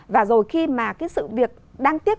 và rồi khi mà cái sự việc đang tiếp